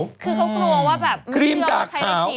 คือเขากลัวว่าแบบไม่เชื่อว่าใช้มันจริงนะครับครีมดากขาว